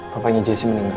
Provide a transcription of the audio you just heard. papanya jessy meninggal